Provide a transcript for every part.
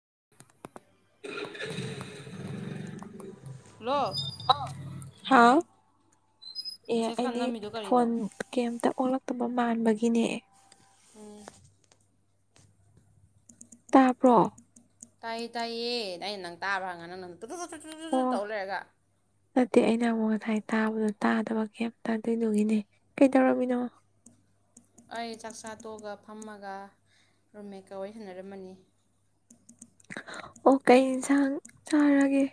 [inaudible] hello ꯍꯥꯎ ꯑꯦ message ꯀꯥꯟ ꯑꯩꯗꯤ ꯅꯝꯃꯤꯗꯣ ꯀꯔꯤꯅꯣ ꯐꯣꯟ ꯀꯩꯝꯇ ꯑꯣꯜꯂꯛ ꯇꯕ ꯃꯥꯟꯕꯒꯤꯅꯦ ꯍ ꯇꯥꯕ꯭ꯔꯣ ꯇꯥꯏ ꯇꯥꯏꯌꯦꯦ ꯅ ꯅꯪ ꯇꯥꯕꯉꯅꯪꯅ ꯑꯣ ꯑꯗꯨ ꯇꯧ ꯂꯩꯛꯑꯦꯒ ꯅꯠꯇꯦ ꯑꯩꯅ ꯑꯃꯨꯛ ꯉꯁꯥꯏ ꯇꯥꯕꯗꯣ ꯇꯥꯗꯕ ꯀꯩꯝꯇꯗꯣꯏꯗꯨꯒꯤꯅꯦ ꯀꯩꯗꯧꯔꯝꯃꯤꯅꯣ ꯑꯩ ꯆꯥꯛꯆꯥꯥ ꯇꯣꯛꯑꯒ ꯐꯝꯃꯒ ꯔꯨꯝꯃꯦꯀ ꯋꯥꯔꯤ ꯁꯟꯅꯔꯃꯅꯤ ꯑꯣ ꯀꯩ ꯌꯦꯟꯁꯥꯡ ꯆꯥꯔꯒꯦ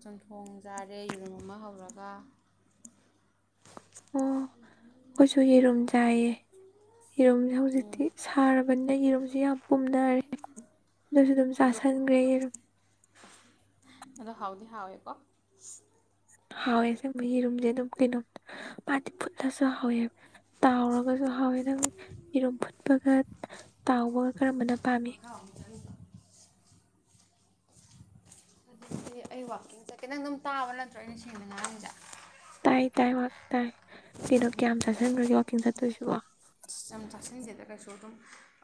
ꯆꯣꯟꯊꯣꯡ ꯆꯥꯔꯦ ꯌꯦꯔꯨꯝ ꯑꯃ ꯍꯧꯔꯒ ꯑꯣ ꯍꯧꯁꯨꯁꯨ ꯌꯦꯔꯨꯝ ꯆꯥꯏꯌꯦ ꯌꯦꯔꯨꯝꯁꯦ ꯎꯝ ꯍꯧꯖꯤꯛꯇꯤ ꯁꯥꯔꯕꯅꯤꯅ ꯌꯦꯔꯨꯝꯁꯤ ꯌꯥꯝ ꯄꯨꯝꯅꯔꯦ ꯑꯗꯨꯁꯨ ꯑꯗꯨꯝ ꯑꯗꯣ ꯆꯥꯁꯟꯈ꯭ꯔꯦ ꯌꯦꯔꯨꯝ ꯑꯗꯣ ꯍꯥꯎꯗꯤ ꯍꯥꯎꯋꯦꯀꯣ ꯍꯥꯎꯋꯦ ꯑꯁꯦꯡꯕ ꯌꯦꯔꯨꯝꯁꯦ ꯑꯗꯨꯝ ꯀꯩꯅꯣꯝ ꯃꯥꯗꯤ ꯐꯨꯠꯂꯁꯨ ꯍꯥꯎꯋꯦ ꯇꯥꯎꯔꯒꯁꯨ ꯍꯥꯎꯋꯦ ꯅꯪ ꯌꯦꯔꯨꯝ ꯐꯨꯠꯄꯒ ꯇꯥꯎꯕꯒ ꯀꯔꯝꯕꯅ ꯄꯥꯝꯃꯤ ꯃꯈꯥ ꯑꯃꯨꯛ ꯆꯪꯉꯤꯗꯣ ꯑꯗꯨ ꯑꯩ ꯋꯥꯛꯀꯤꯡꯁꯈꯤ ꯅꯪ ꯑꯗꯨꯝ ꯇꯥꯕ ꯅꯠꯇ꯭ꯔꯣ ꯑꯩꯅ ꯁꯦꯡꯗ ꯉꯥꯔꯁꯤꯡꯁꯦ ꯇꯥꯏ ꯇꯥꯏ ꯋꯥ ꯇꯥꯏ ꯀꯩꯅꯣ ꯀꯌꯥꯝ ꯆꯥꯁꯟꯈ꯭ꯔꯒꯦ ꯋꯥꯛꯀꯤꯡ ꯆꯠꯇꯣꯏꯁꯤꯕꯣ ꯌꯥꯝ ꯆꯥꯛꯁꯤꯟꯖꯦꯗ ꯀꯩꯁꯨ ꯑꯗꯨꯝ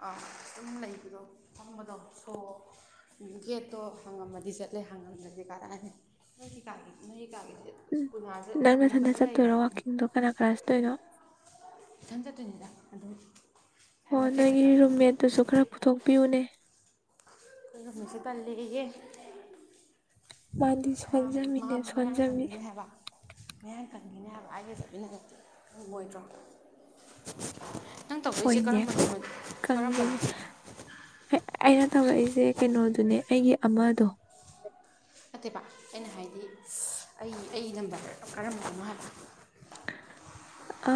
ꯑꯗꯨꯝ ꯂꯩꯕꯗꯣ ꯐꯪꯕꯗꯣ ꯁꯣ ꯒꯦꯠꯇꯣ ꯍꯪꯉꯝꯃꯗꯤ ꯆꯠꯂꯦ ꯍꯪꯉꯝꯗꯗꯤ ꯀꯥꯔꯛꯑꯅꯤ ꯅꯣꯏꯒꯤ ꯀꯥꯒꯤ ꯅꯣꯏꯒꯤ ꯀꯥꯒꯤ ꯎꯝ ꯅꯪ ꯅꯊꯟꯗ ꯆꯠꯇꯣꯏꯔꯣ ꯋꯥꯋꯥꯛꯀꯤꯡꯗꯣ ꯀꯅꯥ ꯀꯅꯥ ꯆꯠꯇꯣꯏꯅꯣ ꯇꯗ ꯑ ꯑꯣ ꯅꯪꯒꯤ ꯔꯨꯝꯃꯦꯠꯇꯨꯁꯨ ꯈꯔ ꯄꯨꯊꯣꯛꯄꯤꯌꯨꯅꯦ ꯃꯤꯁꯤ ꯄꯜꯂꯤ ꯂꯩꯦ ꯃꯥꯗꯤ ꯁꯣꯟꯖꯃꯤꯅꯦ ꯁꯣꯟꯖꯃꯤ ꯀꯡꯈꯤꯅꯦ ꯍꯥꯏꯕ ꯑꯩꯒ ꯆꯠꯃꯤꯟꯅꯔꯗꯤ ꯀꯡꯉꯣꯏꯗ꯭ꯔꯣ ꯍꯣꯏꯅꯦ ꯀꯪꯒꯤꯅꯤ ꯑꯩꯅ ꯇꯧꯔꯛꯏꯁꯦ ꯀꯩꯅꯣꯗꯨꯅꯦ ꯑꯩꯒꯤ ꯑꯃꯗꯣ ꯅꯠꯇꯦꯕ ꯑꯩꯅ ꯍꯥꯏꯗꯤ ꯑꯩ ꯑꯩ ꯅꯝꯕꯔ ꯀꯔꯝꯕꯅꯣ ꯍꯥꯏꯕ ꯑ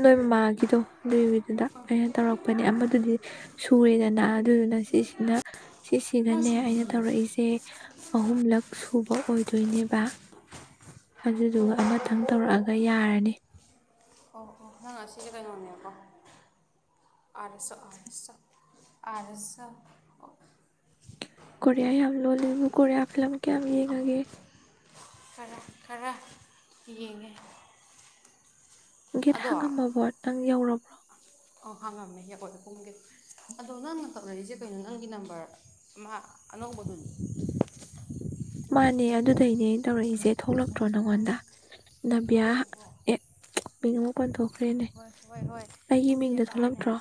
ꯅꯣꯏ ꯃꯃꯥꯒꯤꯗꯣ ꯑꯗꯨꯒꯤꯗꯨꯗ ꯑꯩꯅ ꯇꯧꯔꯛꯄꯅꯦ ꯑꯃꯗꯨꯗꯤ ꯁꯨꯔꯦꯗꯅ ꯑꯗꯨꯗꯨꯅ ꯁꯤꯁꯤꯅ ꯃꯥ ꯁꯤꯁꯤꯒꯅꯦ ꯑꯩꯅ ꯁꯨꯗ꯭ꯔꯤꯌꯦ ꯇꯧꯔꯛꯏꯁꯦ ꯑꯍꯨꯝꯂꯛ ꯁꯨꯕ ꯑꯣꯏꯗꯣꯏꯅꯦꯕ ꯑꯣ ꯑꯣ ꯑꯣ ꯑꯗꯨꯗꯨꯒ ꯑꯃꯇꯪ ꯑꯣ ꯇꯧꯔꯛꯑꯒ ꯌꯥꯔꯅꯤ ꯑꯪ ꯁꯤ ꯀꯩꯅꯣꯅꯦꯕꯀꯣ ꯑꯥ ꯑꯦꯁ ꯑꯥ ꯑꯦꯁ ꯑꯥꯔ ꯑꯦꯁ ꯀꯣꯔꯤꯌꯥ ꯌꯥꯝ ꯂꯣꯜꯂꯦ ꯑꯗꯨ ꯀꯣꯔꯤꯌꯥ ꯐꯤꯂꯝ ꯀꯌꯥꯝ ꯌꯦꯡꯉꯒꯦ ꯈꯔ ꯈꯔ ꯌꯦꯡꯉꯦ ꯒꯦꯠ ꯑꯗꯣ ꯍꯥꯡꯉꯝꯃꯕꯣ ꯅꯪ ꯌꯧꯔꯕ ꯑ ꯍꯥꯡꯉꯝꯅꯦ ꯌꯩꯔꯦ ꯑꯗꯣ ꯅꯪꯅ ꯇꯧꯔꯛ ꯏꯁꯦ ꯀꯩꯅꯣ ꯅꯪꯒꯤ ꯅꯝꯕꯔ ꯑꯃ ꯑꯅꯧꯕꯗꯨꯅꯤ ꯃꯥꯅꯦ ꯑꯗꯨꯗꯩꯅꯅꯦ ꯇꯧꯔꯛꯏꯁꯦ ꯊꯣꯛꯂꯛꯇ꯭ꯔꯣ ꯅꯪ ꯅꯉꯣꯟꯗ ꯅꯕꯤꯌꯥ ꯊꯣꯛꯑꯦꯕꯀꯣ ꯑꯦ ꯃꯤꯡ ꯑꯃꯨꯛ ꯄꯟꯊꯣ ꯍꯣꯏ ꯍꯣꯏ ꯍꯣꯏ ꯊꯧꯔꯛꯑꯦꯕ ꯑꯩꯅ ꯍꯥꯏ ꯊꯣꯛꯂꯛꯇ꯭ꯔꯣ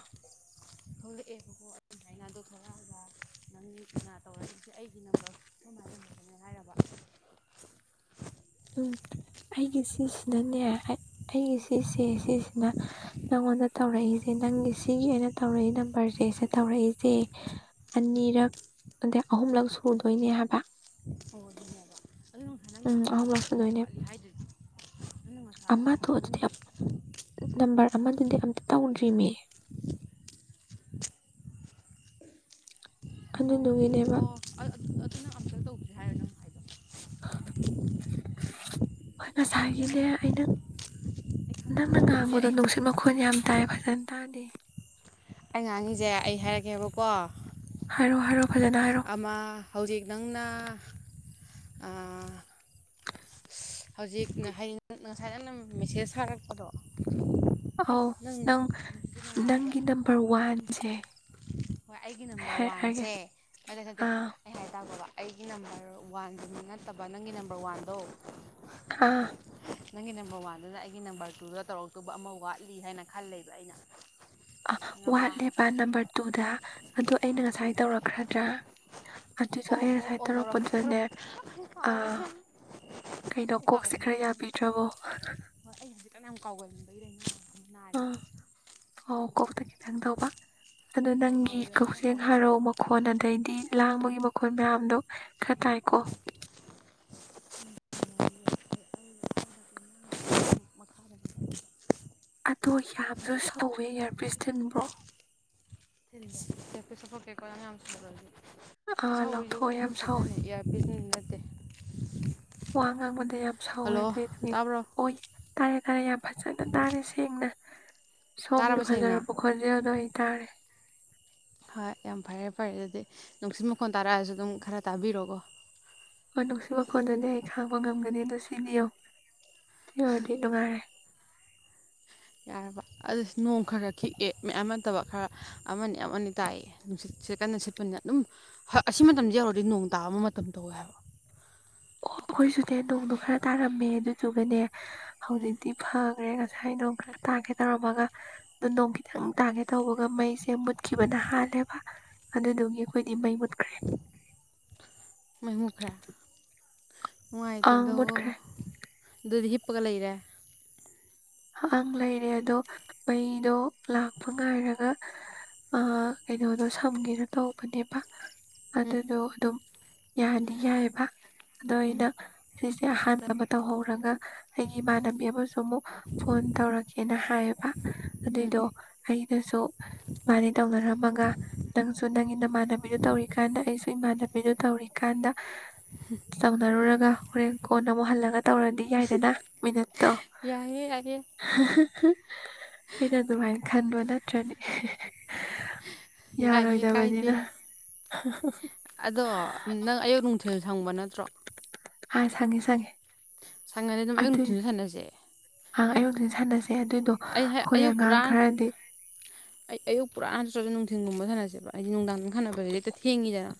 ꯊꯣꯛꯂꯛꯑꯦꯕꯀꯣ ꯑꯗꯨ ꯑꯗꯨꯃꯥꯏꯅ ꯑꯗꯣ ꯊꯣꯛꯂꯛꯑꯒ ꯅꯪꯅ ꯇꯧꯔꯛꯏꯁꯦ ꯑꯩꯒꯤ ꯅꯝꯕꯔ ꯑꯩꯈꯣꯏ ꯃꯥꯒꯤ ꯅꯝꯕꯔꯅꯤ ꯍꯥꯏꯔꯕ ꯎꯝ ꯑꯩꯒꯤꯁꯤꯁꯤꯅꯅꯦ ꯍꯥꯏ ꯑꯩꯒꯤ ꯁꯤꯁꯦ ꯁꯤꯁꯤꯅ ꯅꯪꯉꯣꯟꯗ ꯇꯧꯔꯛꯏꯁꯦ ꯅꯪꯒꯤ ꯁꯤꯒꯤ ꯑꯣꯏꯅ ꯇꯧꯔꯛꯏ ꯅꯝꯕꯔꯁꯦ ꯁꯤꯗ ꯇꯧꯔꯛꯏꯁꯦ ꯑꯅꯤꯔꯛ ꯑꯗꯩ ꯑꯍꯨꯝꯂꯛ ꯁꯨꯗꯣꯏꯅꯦ ꯍꯥꯏꯕ ꯑꯣ ꯑꯗꯨꯅꯦꯕ ꯑꯗꯨ ꯅꯨꯡꯁꯥ ꯅꯪꯅ ꯎꯝ ꯑꯃ ꯑꯍꯨꯝ ꯑꯃ ꯂꯧꯁꯟꯗꯣꯏꯅꯦ ꯋꯥꯠꯂꯤ ꯍꯥꯏꯗꯨꯗꯤ ꯅꯪꯅ ꯉꯁꯥꯏ ꯑꯃꯗꯣ ꯑꯗꯨꯗꯤ ꯅꯪꯒꯤ ꯅꯝꯕꯔ ꯑꯃꯗꯨꯗꯤ ꯑꯝꯇ ꯇꯧꯗ꯭ꯔꯤꯅꯦ ꯑꯣ ꯑꯗꯨꯗꯨꯒꯤꯅꯦꯕ ꯑꯣ ꯑꯗꯨ ꯅꯪ ꯑꯝꯇ ꯇꯧꯗ꯭ꯔꯤ ꯍꯥꯏꯔꯣ ꯅꯪ ꯍꯥꯏꯗꯣ ꯍꯣꯏ ꯑꯗꯩ ꯉꯁꯥꯏꯒꯤꯅꯦ ꯑꯩ ꯑꯩꯅ ꯅꯪꯅ ꯈꯪꯉꯦꯕ ꯅꯪ ꯍꯥꯏꯁꯦ ꯉꯥꯡꯕꯗꯣ ꯑꯩ ꯅꯨꯡꯁꯤꯠ ꯃꯈꯣꯟ ꯌꯥꯝ ꯇꯥꯏ ꯐꯖꯅ ꯇꯥꯗꯦ ꯑꯩ ꯉꯥꯡꯉꯤꯁꯦ ꯑꯩ ꯍꯥꯏꯔꯛꯀꯦꯕꯀꯣ ꯍꯥꯏꯔꯣ ꯍꯥꯏꯔꯣ ꯐꯖꯅ ꯍꯥꯏꯔꯣ ꯑꯃ ꯍꯧꯖꯤꯛ ꯅꯪꯅ ꯑ ꯍꯧꯖꯤꯛ ꯌꯦꯡ ꯉꯁꯥꯏ ꯅꯅ ꯃꯦꯁꯦꯖ ꯊꯥꯔꯛꯄꯗꯣ ꯑꯧ ꯑꯁ ꯅꯪ ꯅꯨꯡꯁꯨ ꯅꯪ ꯅꯨꯡꯉꯥꯏꯔꯔꯣꯏ ꯒꯤ ꯅꯝꯕꯔ ꯋꯥꯟꯁꯦ ꯍꯣꯏ ꯑꯩꯒꯤ ꯑꯩ ꯅꯝꯕꯔ ꯍꯥꯏꯔꯛꯑꯒꯦ ꯋꯥꯟꯁꯦ ꯑꯗ ꯅꯠꯇꯦ ꯑꯥ ꯑꯩ ꯍꯥꯏꯇꯥꯒꯣꯕ ꯑꯩꯒꯤ ꯅꯝꯕꯔ ꯋꯥꯟꯗꯨꯃ ꯅꯠꯇꯕ ꯅꯪꯒꯤ ꯅꯝꯕꯔ ꯋꯥꯟꯗꯣ ꯑꯥ ꯅꯪꯒꯤ ꯅꯝꯕꯔ ꯋꯥꯟꯗꯨꯅ ꯑꯩꯒꯤ ꯅꯝꯕꯔ ꯇꯨꯗ ꯇꯧꯔꯛꯇꯧꯕ ꯑꯃ ꯋꯥꯠꯂꯤ ꯍꯥꯏꯅ ꯈꯜ ꯂꯂꯦꯕ ꯂꯩꯕ ꯑꯩꯅ ꯑ ꯈꯪꯉꯕ ꯋꯥꯠꯂꯦꯕ ꯅꯝꯕꯔ ꯇꯨꯗ ꯑꯗꯣ ꯑꯩꯅ ꯑꯥ ꯉꯁꯥꯏ ꯇꯧꯔꯛꯈ꯭ꯔꯗ꯭ꯔꯥ ꯑꯗꯨꯗꯣ ꯑꯣ ꯑꯩ ꯑꯣ ꯉꯁꯥꯏ ꯑꯣ ꯇꯧꯔꯛ ꯑꯩ ꯇꯧꯔꯛꯄꯗꯨꯗꯅꯦ ꯀꯧꯔꯦ ꯑꯥ ꯀꯩꯅꯣ ꯀꯣꯛꯁꯦ ꯈꯔ ꯀꯥꯎꯒꯟꯕꯩꯔꯅꯤ ꯌꯥꯕꯤꯗ꯭ꯔꯕꯣ ꯑ ꯑꯣ ꯀ ꯈꯤꯇꯪ ꯇꯧꯕ ꯑꯗꯨ ꯍꯣꯏ ꯍꯣꯏ ꯅꯪꯒꯤ ꯀꯥꯎꯒꯗꯕꯅ ꯀꯛꯆꯤꯡ ꯀꯥꯎꯒꯗꯕ ꯍꯔꯥꯎ ꯃꯈꯣꯟ ꯑꯗꯩꯗꯤ ꯂꯥꯡꯕꯒꯤ ꯃꯈꯣꯜ ꯃꯌꯥꯝꯗꯣ ꯈꯔ ꯇꯥꯏꯀꯣ ꯑꯗꯣ ꯌꯥꯝꯁꯨ ꯁꯧꯋꯦ ꯏꯌꯥꯔꯄꯤ꯭ꯁ ꯇꯤꯟꯕ꯭ꯔꯣ ꯄꯤꯁꯄ ꯀꯦꯀꯣꯗꯅꯤ ꯑ ꯑꯃꯁꯁꯤ ꯑꯣꯏꯗꯤ ꯁꯤ ꯑꯥ ꯁꯥꯎꯔꯤ ꯌꯥ ꯂꯧꯊꯣꯛꯑ ꯍꯧꯗꯤ ꯌꯥꯝ ꯁꯧꯋꯦ ꯅꯨꯡꯁꯤꯠꯅꯅꯦ ꯏꯌꯥꯔꯕꯤꯁ ꯋꯥ ꯉꯪꯕꯗ ꯌꯥꯝ ꯁꯥꯎꯋꯦ ꯍꯜꯂꯣ ꯑꯗꯨ ꯑꯣꯏ ꯇꯥꯕ꯭ꯔꯣ ꯑꯣꯏ ꯇꯥꯔꯦ ꯇꯥꯔꯦ ꯌꯥꯝ ꯐꯖꯅ ꯇꯥꯔꯦ ꯁꯦꯡꯅ ꯁꯣꯝꯒꯤ ꯇꯥꯔꯕ ꯁꯦꯡꯅ ꯐꯖꯔꯄ ꯈꯣꯠꯖꯦ ꯑꯗꯣꯏ ꯇꯔꯦ ꯍꯣꯏ ꯌꯥꯝ ꯐꯔꯦ ꯐꯔꯦ ꯑꯗꯨꯗꯤ ꯅꯨꯡꯁꯤꯠ ꯃꯈꯣꯟ ꯇꯥꯔꯛꯑꯁꯨ ꯑꯗꯨꯝ ꯈꯔ ꯇꯥꯕꯤꯔꯛꯣꯀꯣ ꯅꯨꯡꯁꯤ ꯃꯈꯣꯟꯗꯨꯗꯤ ꯑꯩ ꯈꯥꯡꯕ ꯉꯝꯒꯅꯤ ꯑꯗꯨ ꯁꯤꯕꯤꯌꯣ ꯁꯤ ꯑꯣꯏꯔꯗꯤ ꯅꯨꯡꯉꯥꯏꯔꯦ ꯌꯥꯔꯕ ꯑꯗꯨ ꯅꯣꯡ ꯈꯔ ꯈꯤꯛꯑꯦ ꯃꯌꯥꯝ ꯅꯠꯇꯕ ꯈꯔ ꯑꯃꯅꯤ ꯑꯃꯅꯤ ꯇꯥꯏꯑ ꯅꯨꯡꯁꯤꯠ ꯁꯦꯠꯀꯟꯅ ꯁꯤꯦꯠꯄꯅ ꯑꯗꯨꯝ ꯑꯁꯤ ꯃꯇꯝꯗ ꯌꯧꯔꯗꯤ ꯅꯣꯡ ꯇꯥꯕ ꯃꯇꯝ ꯇꯧꯋꯦ ꯍꯥꯏꯕ ꯑꯣ ꯃꯣꯏꯁꯨꯅꯦ ꯅꯣꯡꯗ ꯈꯔ ꯇꯥꯔꯝꯃꯦ ꯑꯗꯨꯗꯨꯒꯅꯦ ꯍꯧꯖꯤꯛꯇꯤ ꯐꯈ꯭ꯔꯦ ꯉꯁ ꯉꯁꯥꯏ ꯅꯣꯡ ꯈꯤꯇ ꯇꯥꯒꯦ ꯇꯧꯔꯝꯃꯒ ꯑꯗꯨ ꯅꯣꯡ ꯈꯤꯇꯪ ꯇꯥꯒꯦ ꯇꯧꯕꯒ ꯃꯩꯁꯦ ꯃꯨꯠꯈꯤꯕꯅ ꯍꯥꯜꯂꯦꯕ ꯑꯗꯨꯗꯨꯒꯤ ꯑꯩꯈꯣꯏꯗꯤ ꯃꯩ ꯃꯨꯠꯈ꯭ꯔꯦ ꯃꯥꯏ ꯃꯨꯈꯔ ꯑꯪ ꯅꯨꯪꯉꯥꯏꯇꯦꯗꯣ ꯃꯨꯠꯈ꯭ꯔꯦ ꯗꯤꯞꯄꯀ ꯂꯩꯔꯦ ꯪ ꯂꯩꯔꯦ ꯑꯗꯣ ꯃꯩꯗꯣ ꯂꯥꯛꯄ ꯉꯥꯏꯔꯒ ꯑ ꯀꯩꯅꯣꯗꯣ ꯁꯝꯒꯦꯅ ꯇꯧꯕꯅꯦꯕ ꯎꯝ ꯑꯗꯨꯗ ꯑꯗꯨ ꯑꯗꯨꯝ ꯌꯥꯗꯤ ꯌꯥꯏꯑꯕ ꯑꯗꯣ ꯑꯩꯅ ꯁꯤꯁꯦ ꯑꯍꯥꯟꯕ ꯑꯃ ꯇꯧꯍꯧꯔꯒ ꯑꯩꯒꯤ ꯏꯃꯥꯟꯅꯕꯤ ꯑꯃꯁꯨ ꯑꯃꯨꯛ ꯐꯣꯟ ꯇꯧꯔꯛꯀꯦꯅ ꯍꯥꯏꯌꯦꯕ ꯑꯗꯨꯏꯗꯣ ꯑꯩꯩꯅꯁꯨ ꯃꯥꯕꯥꯅꯦ ꯇꯧꯅꯔꯝꯃꯒ ꯅꯪꯁꯨ ꯅꯪꯒꯤ ꯅꯃꯥꯟꯅꯕꯤꯗꯨ ꯇꯧꯔꯤꯀꯥꯟꯗ ꯑꯩꯁꯨ ꯏꯃꯥꯟꯅꯕꯤꯗꯨ ꯇꯧꯔꯤꯀꯥꯟꯗ ꯇꯧꯅꯔꯨꯔꯒ ꯍꯣꯔꯦꯟ ꯀꯣꯟ ꯑꯃꯨꯛ ꯍꯜꯂꯒ ꯇꯧꯔꯗꯤ ꯌꯥꯏꯗꯅ ꯃꯤꯅꯠ ꯌꯥꯏ ꯌ [unintelligible] ꯎꯝ ꯑꯩꯅ ꯑꯗꯨꯃꯥꯏꯅ ꯈꯟꯕ ꯅꯠꯇ꯭ꯔꯅꯤ ꯌꯥꯏꯌꯦ ꯀꯥꯏꯗꯦ ꯌꯥꯔꯣꯏꯗꯕꯅꯤꯅ [unintelligible] ꯑꯗꯣ ꯅꯪ ꯑꯌꯨꯛ ꯅꯨꯡꯊꯤꯜ ꯁꯪꯕ ꯅꯠꯇ꯭ꯔꯣ ꯑꯥ ꯁꯉꯦ ꯁꯒꯦ ꯁꯪꯅ ꯑꯗꯨꯝꯃ ꯎ ꯊꯨꯅ ꯁꯥꯟꯅꯁꯦ ꯑꯪ ꯑꯩꯌꯨꯛꯇ ꯁꯥꯟꯅꯁꯤꯦ ꯑꯩ ꯑꯌꯨꯛ ꯄꯨꯔꯥ ꯑꯩ ꯑꯌꯨꯛ ꯄꯨꯔꯥ ꯍ ꯆꯁꯤ ꯅꯨꯡꯊꯤꯟꯒꯨꯝꯕ ꯊꯅꯦ ꯖ ꯍꯥꯏꯗꯤ ꯅꯨꯡꯗꯥꯡ ꯈꯥꯟꯅꯕꯒꯤꯁ ꯍꯦꯛꯇ ꯊꯦꯡꯉꯤꯗꯅ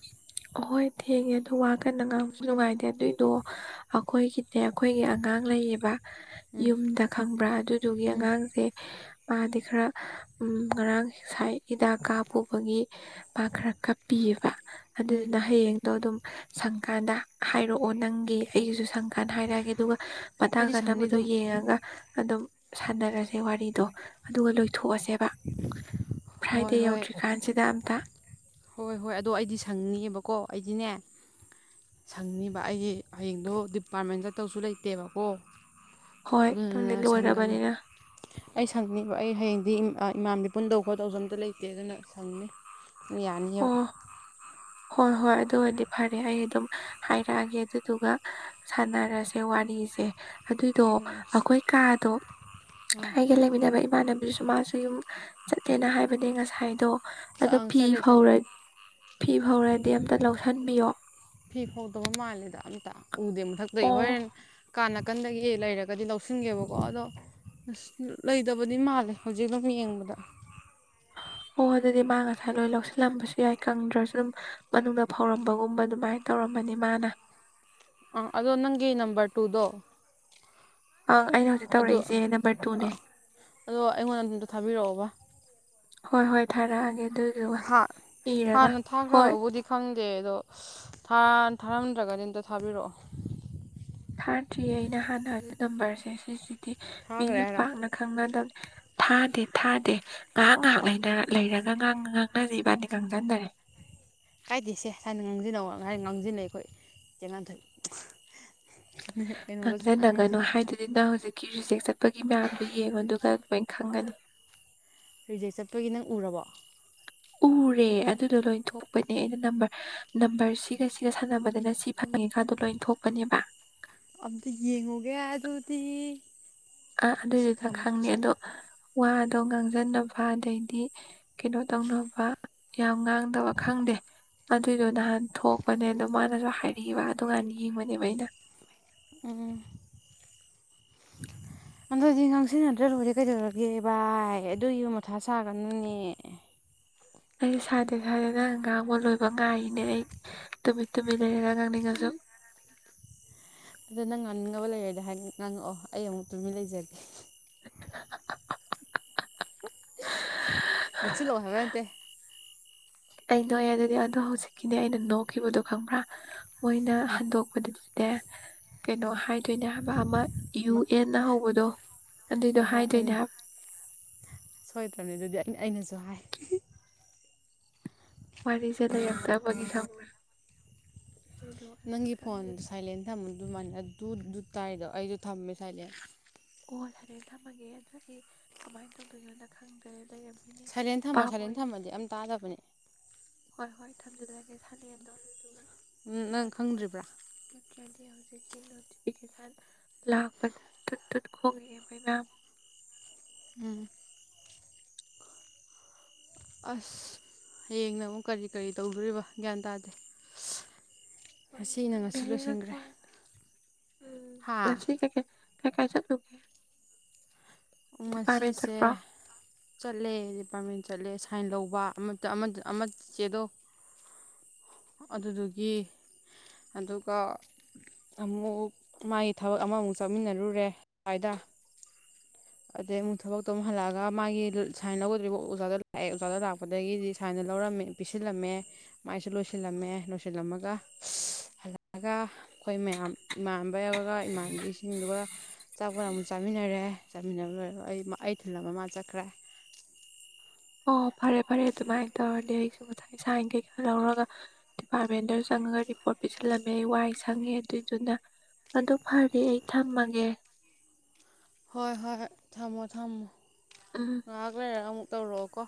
ꯑ ꯋꯥ ꯀꯟꯅ ꯉꯥꯡꯕꯁꯨ ꯅꯨꯡꯉꯥꯏꯇꯦ ꯑꯗꯨꯏꯗꯣ ꯑꯩꯈꯣꯏꯒꯤꯅꯦ ꯑꯩꯈꯣꯏꯒꯤ ꯑꯉꯥꯡ ꯂꯩꯌꯦꯕ ꯌꯨꯝꯗ ꯈꯪꯕ꯭ꯔꯥ ꯑꯗꯨ ꯑꯗꯨꯒꯤ ꯑꯉꯥꯡꯁꯦ ꯃꯥꯗꯤ ꯈꯔ ꯉꯔꯥꯡ ꯉꯥꯏ ꯍꯤꯗꯥꯛ ꯀꯥꯞ ꯄꯨꯕꯒꯤ ꯄꯥ ꯈꯔ ꯀꯞꯄꯤꯑꯕ ꯎꯝ ꯑꯗꯨꯗꯨꯅ ꯍꯌꯦꯡꯗꯣ ꯑꯗꯨꯝ ꯁꯪꯀꯥꯟꯗ ꯍꯥꯏꯔꯛꯑꯣ ꯅꯪꯒꯤ ꯑꯩꯒꯤꯁꯨ ꯁꯪꯀꯥꯟꯗ ꯍꯥꯏꯔꯛꯑꯒꯦ ꯑꯗꯨꯒ ꯃꯇꯥꯡ ꯑꯩꯗꯤ ꯁꯪꯅꯤ ꯆꯥꯅꯕꯗꯨꯣ ꯑꯗꯨꯝ ꯌꯦꯡꯉꯒ ꯑꯗꯨꯝ ꯁꯥꯟꯅꯔꯁꯦ ꯋꯥꯔꯤꯗꯣ ꯑꯗꯨꯒ ꯂꯣꯏꯊꯣꯛꯑꯁꯦꯕ ꯍꯣꯏ ꯐ꯭ꯔꯥꯏꯗꯦ ꯍꯣꯏ ꯌꯧꯗ꯭ꯔꯤꯀꯥꯟꯁꯤꯗ ꯑꯝꯇ ꯍꯣꯏ ꯍꯣꯏ ꯑꯗꯣ ꯑꯩꯗꯤ ꯁꯪꯅꯤꯕꯀꯣ ꯑꯩꯗꯤꯅꯦ ꯁꯪꯅꯤꯕ ꯑꯩꯒꯤ ꯍꯌꯦꯡꯗꯣ ꯗꯤꯄꯥꯔꯠꯃꯦꯟ ꯆꯠꯇꯧꯁꯨ ꯂꯩꯇꯦꯕꯀꯣ ꯍꯣꯏ ꯅꯪꯗꯤ ꯑꯗꯨꯅ ꯁꯪꯒꯅꯤ ꯂꯣꯏꯔꯕꯅꯤꯅ ꯑꯩ ꯁꯪꯅꯤ ꯑꯩ ꯍꯌꯦꯡꯗꯤ ꯏꯃꯥꯟꯗꯤ ꯄꯨꯟꯗꯧ ꯐꯣꯔ ꯊꯥꯎꯖꯟ ꯑꯇ ꯂꯩꯇꯦ ꯑꯗꯨꯅ ꯁꯪꯅꯤ ꯌꯥꯅꯤꯑꯕ ꯑꯣ ꯍꯣꯏ ꯍꯣꯏ ꯑꯗꯨ ꯑꯣꯏꯔꯗꯤ ꯐꯔꯦ ꯑꯩ ꯑꯗꯨꯝ ꯍꯥꯏꯔꯛꯑꯒꯦ ꯑꯗꯨꯗꯨꯒ ꯁꯥꯟꯅꯔꯁꯦ ꯋꯥꯔꯤꯁꯦ ꯑꯗꯨꯏꯗꯣ ꯑꯩꯈꯣꯏ ꯀꯥꯗꯣ ꯑꯩꯒ ꯂꯩꯃꯤꯟꯅꯕ ꯏꯃꯥꯟꯅꯕꯤꯗꯨꯁꯨ ꯃꯥꯁꯨ ꯌꯨꯝ ꯆꯠꯂꯦꯅ ꯍꯥꯏꯕꯅꯦ ꯉꯁꯥꯏꯗꯣ ꯑꯗꯣ ꯑꯪ ꯐꯤ ꯆꯠꯂꯦ ꯆꯠꯂꯦ ꯐꯧꯔꯅꯤ ꯁꯤꯤ ꯐ ꯍꯧꯔꯗꯤ ꯑꯃꯝꯇ ꯂꯧꯁꯟ ꯆꯟꯕꯤꯌꯣ ꯐꯤ ꯐꯥꯎꯗꯕ ꯃꯥꯜꯂꯦꯗ ꯑꯝꯇ ꯎꯗꯦ ꯃꯊꯛꯇꯒꯤ ꯑꯣ ꯍꯣꯔꯦꯟ ꯀꯥꯟꯅ ꯅꯥꯀꯟꯗꯒꯤ ꯑꯦ ꯂꯩꯔꯒꯗꯤ ꯂꯧꯁꯤꯟꯒꯦꯕꯀꯣ ꯑꯗꯣ ꯑꯁ ꯂꯩꯇꯕꯗꯤ ꯃꯥꯜꯂꯦ ꯍꯧꯖꯤꯛ ꯑꯗꯨꯝ ꯌꯦꯡꯕꯗ ꯑꯣ ꯑꯗꯨꯗꯤ ꯃꯥ ꯉꯁꯥꯏ ꯂꯣꯏ ꯂꯧꯁꯤꯜꯂꯝꯕꯁꯨ ꯌꯥꯏ ꯀꯪꯗ꯭ꯔꯁꯨ ꯑꯗꯨꯝ ꯃꯅꯨꯡꯗ ꯐꯧꯔꯝꯕꯒꯨꯝꯕ ꯑꯗꯨꯃꯥꯏꯅ ꯇꯧꯔꯝꯕꯅꯤ ꯃꯥꯅ ꯑꯥ ꯑꯗꯣ ꯅꯪꯒꯤ ꯅꯝꯕꯔ ꯇꯨꯗꯣ ꯑꯪ ꯑꯩꯅ ꯍꯧꯖꯤꯛ ꯑ ꯇꯧꯔꯛꯏꯁꯦ ꯅꯝꯕꯔ ꯇꯨꯅꯦ ꯑꯥ ꯑꯗꯣ ꯑꯩꯉꯣꯟꯗ ꯑꯗꯨꯝꯇ ꯊꯥꯕꯤꯔꯛꯑꯣꯕ ꯍꯣꯏ ꯍꯣꯏ ꯊꯥꯔꯛꯑꯒꯦ ꯑꯗꯨꯏꯗꯨꯒ ꯍꯥ ꯏꯔꯒ ꯍꯥꯟꯅ ꯍꯣꯏ ꯊꯥꯈ꯭ꯔꯕꯕꯨꯗꯤ ꯈꯪꯗꯦ ꯗꯦ ꯑꯗꯣ ꯊꯥꯔꯝꯗ꯭ꯔꯒꯗꯤ ꯑꯝꯇ ꯊꯥꯕꯤꯔꯛꯑꯣ ꯊꯥꯔꯇ꯭ꯔꯤꯌꯦ ꯑꯩꯅ ꯍꯥꯟꯅ ꯍꯧꯖꯤꯛ ꯅꯝꯕꯔꯁꯦ ꯁꯤ ꯁꯤ ꯇꯤꯚ ꯊꯥꯈ꯭ꯔꯦ ꯃꯤꯁꯨ ꯍꯥꯏꯔꯣ ꯄꯥꯛꯅ ꯈꯪꯅꯗꯕꯅꯤ ꯊꯥꯗꯦ ꯊꯥꯗꯦ ꯉꯥꯏꯍꯥꯛ ꯉꯥꯏꯍꯥꯛ ꯂꯩꯔꯒ ꯉꯥꯡ ꯉꯥꯡꯅꯁ ꯏꯕꯥꯅꯤ ꯈꯪꯖꯟꯗꯔꯦ ꯀꯥꯏꯗꯦꯁꯦ ꯍꯥꯏꯅ ꯉꯥꯡꯁꯤꯟꯅꯧ ꯍꯥꯏ ꯉꯥꯡꯁꯤꯟꯅꯩ ꯑꯩꯈꯣꯏ ꯆꯦꯡꯉꯥꯟꯊꯣꯏ ꯀꯪꯁꯤꯟꯅꯒꯅꯨ ꯍꯥꯏꯗꯨꯗꯤ ꯅꯪ ꯍꯧꯖꯤꯛ ꯀꯤ ꯔꯤꯖꯦꯛ ꯆꯠꯄꯒꯤ ꯃꯌꯥꯝꯗꯨ ꯌꯦꯡꯉꯣ ꯑꯗꯨꯒ ꯂꯣꯏ ꯈꯪꯒꯅꯤ ꯔꯤꯖꯦꯛ ꯆꯠꯄꯒꯤ ꯅꯪ ꯎꯔꯕꯣ ꯎꯔꯦ ꯑꯗꯨꯗꯣ ꯂꯣꯏ ꯊꯣꯛꯄꯅꯦ ꯑꯩꯅ ꯅꯝꯕꯔ ꯅꯝꯕꯔ ꯁꯤꯒ ꯁꯤꯒ ꯁꯥꯟꯅꯕꯗꯅ ꯁꯤ ꯐꯪꯉꯤꯀꯥꯟꯗꯣ ꯂꯣꯏ ꯊꯣꯛꯄꯅꯦꯕ ꯑꯝꯇ ꯌꯦꯡꯉꯨꯒꯦ ꯑꯗꯨꯗꯤ ꯑꯥ ꯁꯤ ꯑꯗꯨꯏꯗꯨꯗ ꯊꯝ ꯈꯪꯅꯤ ꯑꯗꯣ ꯋꯥꯗꯣ ꯉꯥꯡꯖꯟꯅꯕ ꯑꯗꯩꯗꯤ ꯀꯩꯅꯣ ꯇꯧꯅꯕ ꯌꯥꯝ ꯉꯥꯡꯗꯕ ꯈꯪꯗꯦ ꯑꯗꯨꯏꯗꯣ ꯅꯍꯥꯟ ꯊꯣꯛꯄꯅꯦ ꯑꯗꯨ ꯃꯥꯅꯁꯨ ꯍꯥꯏꯔꯤꯕꯛꯏꯕ ꯑꯗꯨꯀꯥꯟ ꯌꯦꯡꯕꯅꯦꯕ ꯑꯩꯅ ꯎꯝ ꯑꯗꯨꯗꯤ ꯉꯥꯡꯁꯤꯟꯅꯗ꯭ꯔ ꯂꯣꯏꯔꯦ ꯀꯩꯗꯧꯔꯒꯦ ꯚꯏ ꯑꯗꯨꯒꯤ ꯃꯊꯥ ꯁꯥꯒꯅꯨꯅꯦ ꯑꯩ ꯁꯥꯗꯦ ꯁꯥꯗꯦ ꯅꯪ ꯉꯥꯡꯕ ꯂꯣꯏꯕ ꯉꯥꯏꯔꯤꯅꯦ ꯑꯩ ꯇꯨꯃꯤꯠ ꯇꯨꯃꯤꯠ ꯂꯩꯔꯒ ꯉꯥꯡꯅꯤꯡꯉꯁꯨ ꯑꯗꯨ ꯅꯪ ꯉꯥꯡꯅꯤꯡꯉꯕ ꯂꯩꯔꯗꯤ ꯍꯥꯏ ꯉꯪꯉꯛꯑꯣ ꯑꯩ ꯑꯃꯨꯛ ꯇꯨꯃꯤꯟ ꯂꯩꯖꯒꯦ ꯅꯣꯛꯁꯤꯜꯂꯛꯑꯣ ꯍꯥꯏꯕ ꯅꯠꯇꯦ ꯑꯩ ꯅꯣꯛꯑꯦ ꯑꯗꯨꯗꯤ ꯑꯗꯣ ꯍꯧꯖꯤꯛꯀꯤꯅꯦ ꯑꯩꯅ ꯅꯣꯛꯈꯤꯕꯗꯣ ꯈꯪꯕ꯭ꯔꯥ ꯃꯣꯏꯅ ꯍꯟꯗꯣꯛꯄꯗꯗꯤ ꯅꯦ ꯀꯩꯅꯣ ꯍꯥꯏꯗꯣꯏꯅꯦ ꯍꯥꯏꯕ ꯑꯃ ꯌꯨ ꯑꯃ ꯑꯦꯟꯅ ꯍꯧꯕꯗꯣ ꯑꯗꯨꯏꯗꯣ ꯍꯣꯏ ꯍꯣꯏ ꯑꯪ ꯍꯥꯏꯗꯣꯏꯅꯦ ꯍꯥꯏꯕ ꯁꯣꯏꯗ꯭ꯔꯕꯅꯤ ꯑꯗꯨꯗꯤ ꯑꯩꯅꯁꯨ ꯍꯥꯏ ꯋꯥꯔꯤꯁꯦ ꯂꯩꯔꯛꯇꯔꯕꯒꯤ ꯈꯪꯕꯔꯥ ꯅꯪꯒꯤ ꯐꯣꯟ ꯁꯥꯏꯂꯦꯟ ꯊꯝ ꯑꯗꯨꯃꯥꯏꯅ ꯑꯗꯨꯗꯨ ꯇꯥꯏꯗꯣ ꯑꯩꯁꯨ ꯊꯝꯃꯦ ꯁꯏꯂꯦꯟ ꯑꯣ ꯐꯔꯦ ꯊꯝꯃꯒꯦ ꯑꯗꯣ ꯑꯩ ꯀꯃꯥꯏꯅ ꯇꯧꯗꯣꯏꯅꯣꯅ ꯈꯪꯗꯔꯦ ꯂꯩꯔꯝ ꯁꯥꯏꯂꯦꯟ ꯊꯝꯃꯣ ꯁꯥꯏꯂꯦꯟ ꯊꯝꯃꯗꯤ ꯑꯝ ꯇꯥꯗꯕꯅꯦ ꯍꯣꯏ ꯍꯣꯏ ꯊꯝꯖꯜꯂꯒꯦ ꯁꯥꯏꯂꯦꯟꯗꯣ ꯑꯗꯨꯗꯨꯒ ꯎꯝ ꯅꯪ ꯇꯥꯗꯅꯕ ꯈꯪꯗ꯭ꯔꯤꯕ꯭ꯔꯥ ꯅꯠꯇ꯭ꯔꯗꯤ ꯍꯧꯖꯤꯛꯀꯤ ꯅꯣꯇꯤꯐꯤꯀꯦꯁꯟ ꯂꯥꯛꯄꯗ ꯇꯨꯠ ꯇꯨꯠ ꯈꯣꯡꯉꯛꯑꯦꯕꯩ ꯃꯦꯝ ꯎꯝ ꯑꯁ ꯍꯌꯦꯡꯅ ꯑꯃꯨꯛ ꯀꯔꯤ ꯀꯔꯤ ꯇꯧꯗꯣꯔꯤꯕ ꯒ꯭ꯌꯥꯟ ꯇꯥꯗꯦ ꯍꯣꯏ ꯉꯁꯤ ꯅ ꯈꯪꯗꯦ ꯉꯁꯤ ꯍꯌꯦꯡꯅ ꯂꯣꯏꯁꯤꯟꯈ꯭ꯔꯦ ꯀꯃꯥꯏꯅ ꯇꯧ ꯍꯥ ꯊ ꯀꯥꯏ ꯆꯂꯒꯦ ꯉꯁꯤꯁꯦ ꯆꯠꯂꯦ ꯗꯤꯄꯥꯔꯠꯃꯦꯟ ꯆꯠꯂꯦ ꯁꯏꯟ ꯂꯧꯕ ꯑꯃꯇ ꯑꯃꯗ ꯑꯃ ꯆꯦꯗꯣ ꯑꯗꯨꯗꯨꯒꯤ ꯑꯗꯨꯒ ꯑꯃꯨꯛ ꯃꯥꯒꯤ ꯊꯕꯛ ꯑꯃꯃꯨꯛ ꯆꯠꯃꯤꯟꯅꯔꯨꯔꯦ ꯁꯋꯥꯏꯗ ꯑꯗꯩ ꯑꯃꯨꯛ ꯊꯕꯛꯇꯣ ꯑꯃꯨꯛ ꯍꯜꯂꯛꯑꯒ ꯃꯥꯒꯤ ꯁꯨꯃꯥꯏꯅ ꯂꯧꯒꯗꯧꯔꯤꯕ ꯑꯣꯖꯥꯗꯣ ꯂꯥꯛꯑꯦ ꯑꯣꯖꯥꯗ ꯂꯥꯛꯄꯗꯒꯤꯗꯤ ꯁꯥꯏꯟ ꯂꯧꯔꯝꯃꯦ ꯄꯤꯁꯤꯜꯂꯝꯃꯦ ꯃꯥꯏꯁꯨ ꯂꯣꯏꯁꯤꯜꯂꯝꯃꯦ ꯂꯣꯏꯁꯤꯜꯂꯝꯃꯒ ꯍꯜꯂꯛꯑꯒ ꯑꯩꯈꯣꯏ ꯃꯌꯥꯝ ꯏꯃꯥꯟꯅꯕꯒ ꯏꯃꯥꯟꯕꯤꯁꯤꯡꯗꯨꯒ ꯆꯥꯄꯣꯠ ꯑꯃꯨꯛ ꯆꯥꯃꯤꯟꯅꯔꯦ ꯆꯠꯃꯤꯟꯅꯔꯨꯔꯦ ꯂꯣꯏꯔ ꯑꯩ ꯑꯩ ꯊꯤꯜꯂꯝꯃꯥ ꯃꯥ ꯆꯠꯈ꯭ꯔꯦ ꯑꯣ ꯐꯔꯦ ꯐꯔꯦ ꯑꯗꯨꯃꯥꯏꯅ ꯇꯧꯔꯗꯤ ꯑꯩꯁꯨ ꯉꯁꯥꯏ ꯁꯥꯏꯟ ꯀꯩꯀꯥ ꯂꯧꯔꯒ ꯗꯤꯄꯥꯔꯠꯃꯦꯟꯗ ꯆꯪꯉꯒ ꯔꯤꯄꯣꯔꯠ ꯄꯤꯁꯜꯂꯝꯃꯦ ꯑꯩ ꯋꯥꯏ ꯁꯪꯉꯦ ꯑꯗꯨꯏꯗꯨꯅ ꯑꯗꯨ ꯐꯔ ꯑꯩ ꯊꯝꯃꯒꯦ ꯍꯣꯏ ꯍꯣꯏ ꯊꯝꯃꯣ ꯊꯝꯃꯣ ꯎꯝ ꯉꯍꯛ ꯂꯩꯔꯒꯥ ꯑꯃꯨꯛ ꯇꯧꯔꯛꯑꯣꯀꯣ